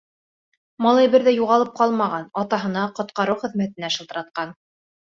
Малай бер ҙә юғалып ҡалмаған: атаһына, ҡотҡарыу хеҙмәтенә шылтыратҡан.